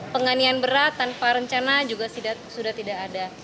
penganian berat tanpa rencana juga sudah tidak ada